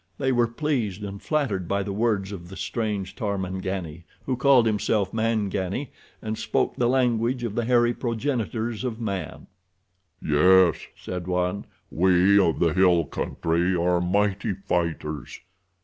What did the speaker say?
They were pleased and flattered by the words of the strange Tarmangani, who called himself Mangani and spoke the language of the hairy progenitors of man. "Yes," said one, "we of the hill country are mighty fighters.